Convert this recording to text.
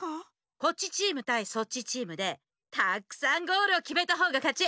こっちチームたいそっちチームでたくさんゴールをきめたほうがかち。